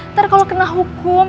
ntar kalau kena hukum